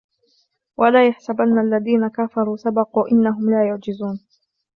وَلَا يَحْسَبَنَّ الَّذِينَ كَفَرُوا سَبَقُوا إِنَّهُمْ لَا يُعْجِزُونَ